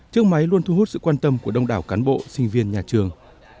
chiếc máy luôn thu hút sự quan tâm của đông đảo cán bộ sinh viên nhà trường